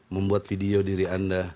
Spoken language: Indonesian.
membuat video diri anda